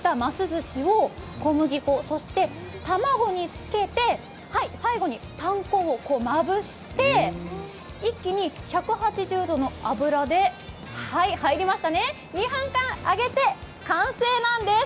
寿しを小麦粉、そして卵につけて最後にパン粉をまぶして一気に１８０度の油で、２分間揚げて、完成なんです。